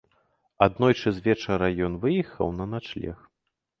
Аднойчы звечара ён выехаў на начлег.